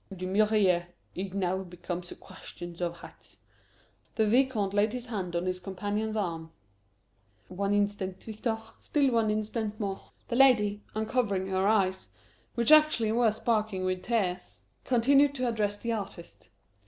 "D'Humières, it now becomes a question of hats." The Vicomte laid his hand on his companion's arm. "One instant, Victor still one instant more." The lady, uncovering her eyes which actually were sparkling with tears continued to address the artist.